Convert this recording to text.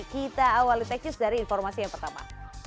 kita awali tech news dari informasi yang pertama